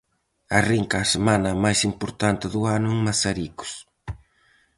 Arrinca a semana máis importante do ano en Mazaricos.